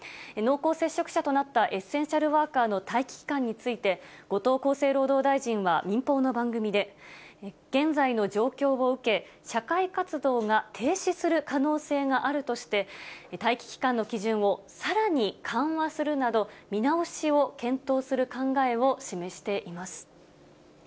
濃厚接触者となったエッセンシャルワーカーの待機期間について、後藤厚生労働大臣は民放の番組で、現在の状況を受け、社会活動が停止する可能性があるとして、待機期間の基準を、さらに緩和するなど、見直しを検討する考えを示しています。